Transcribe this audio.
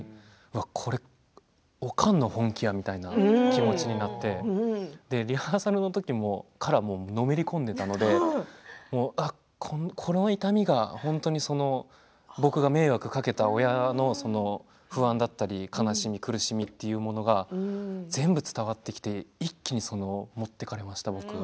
これ、おかんの本気やみたいな気持ちになってリハーサルの時もその時からのめり込んでいたのでこの痛みが本当に僕が迷惑をかけた親の不安だったり悲しみ、苦しみというものが全部伝わってきて一気に持っていかれました、僕。